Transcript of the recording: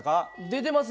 出てます